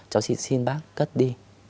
cháu chỉ xin bác cất đi